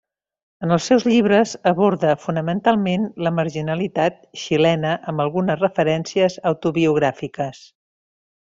En els seus llibres aborda fonamentalment la marginalitat xilena amb algunes referències autobiogràfiques.